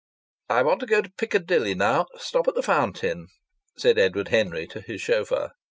"I want to go to Piccadilly Circus now. Stop at the fountain," said Edward Henry to his chauffeur.